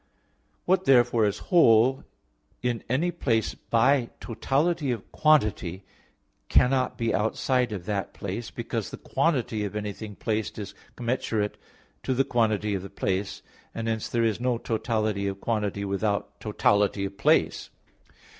What therefore is whole in any place by totality of quantity, cannot be outside of that place, because the quantity of anything placed is commensurate to the quantity of the place; and hence there is no totality of quantity without totality of place.